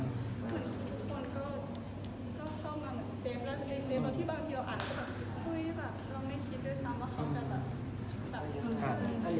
มีที่แก่ทุกคนเนี่ย